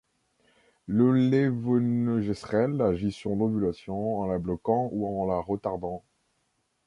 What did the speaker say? Le lévonorgestrel agit sur l'ovulation en la bloquant ou en la retardant.